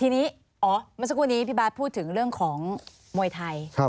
มาเราสักครู่นี้พี่บาร์ทพูดถึงเรื่องของมวยไทย